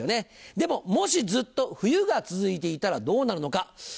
でももしずっと冬が続いていたらどうなるのか。